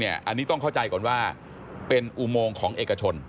อันนี้ต้องเข้าใจก่อนว่าเป็นอุโมงของเอกชน